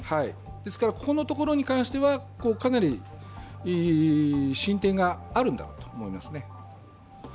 ですから、ここに関しては、かなり進展があるんだと思いますね。